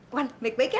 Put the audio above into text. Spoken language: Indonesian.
iwan baik baik ya